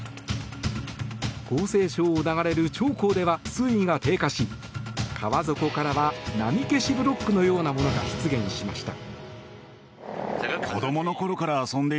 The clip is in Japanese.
江西省を流れる長江では水位が低下し川底からは波消しブロックのようなものが出現しました。